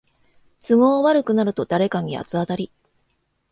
都合悪くなると誰かに八つ当たり